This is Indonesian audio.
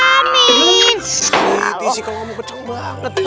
eh gini sih kalau kamu kecobaan